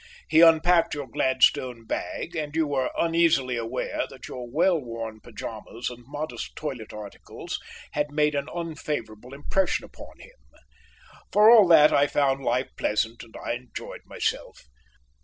He unpacked your gladstone bag, and you were uneasily aware that your well worn pyjamas and modest toilet articles had made an unfavourable impression upon him. For all that, I found life pleasant and I enjoyed myself.